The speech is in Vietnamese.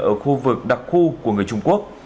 ở khu vực đặc khu của người trung quốc